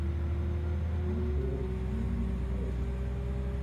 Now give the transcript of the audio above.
Mr./Mrs. A